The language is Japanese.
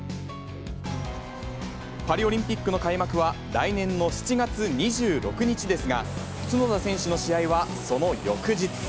パリオリンピックの開幕は来年の７月２６日ですが、角田選手の試合はその翌日。